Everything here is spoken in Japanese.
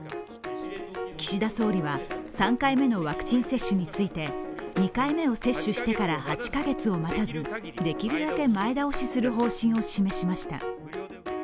岸田総理は３回目のワクチン接種について２回目を接種してから８カ月を待たずできるだけ前倒しする方針を示しました。